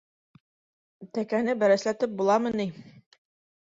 Тәкәне бәрәсләтеп буламы ни?!